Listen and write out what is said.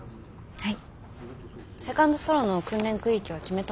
はい。